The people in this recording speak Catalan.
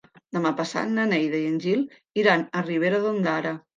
Demà passat na Neida i en Gil iran a Ribera d'Ondara.